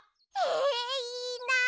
えいいなあ！